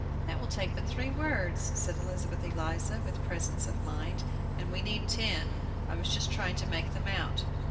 '" "That will take but three words," said Elizabeth Eliza, with presence of mind, "and we need ten. I was just trying to make them out."